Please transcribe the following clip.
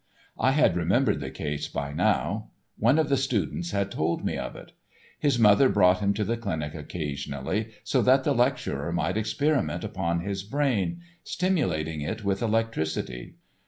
I had remembered the case by now. One of the students had told me of it. His mother brought him to the clinic occasionally, so that the lecturer might experiment upon his brain, stimulating it with electricity.